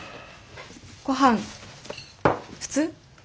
ごはん普通？